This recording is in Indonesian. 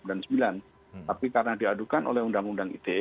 tapi karena diadukan oleh undang undang ite